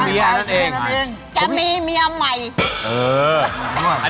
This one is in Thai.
นี่จะไปก็จูน